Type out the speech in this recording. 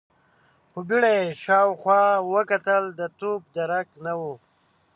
په بيړه يې شاوخوا وکتل، د توپ درک نه و.